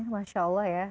masya allah ya